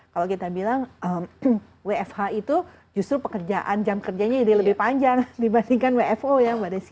kalau kita bilang wfh itu justru pekerjaan jam kerjanya jadi lebih panjang dibandingkan wfo ya mbak desi